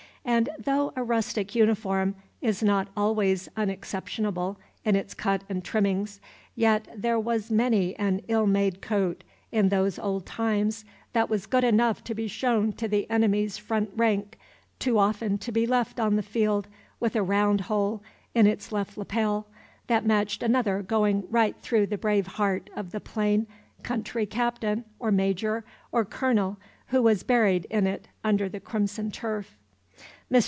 And though a rustic uniform is not always unexceptionable in its cut and trimmings, yet there was many an ill made coat in those old times that was good enough to be shown to the enemy's front rank too often to be left on the field with a round hole in its left lapel that matched another going right through the brave heart of the plain country captain or major or colonel who was buried in it under the crimson turf. Mr.